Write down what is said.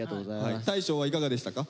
大昇はいかがでしたか？